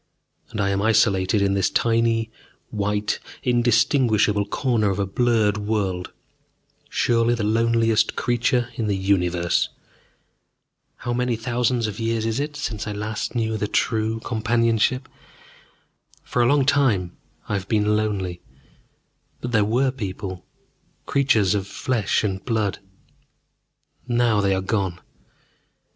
And I am isolated in this tiny white, indistinguishable corner of a blurred world, surely the loneliest creature in the universe. How many thousands of years is it since I last knew the true companionship? For a long time I have been lonely, but there were people, creatures of flesh and blood. Now they are gone.